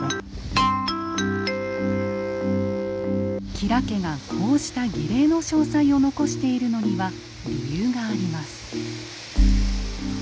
吉良家がこうした儀礼の詳細を残しているのには理由があります。